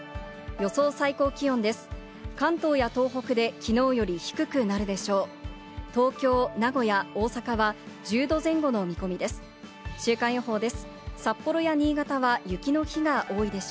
予想最高気温です。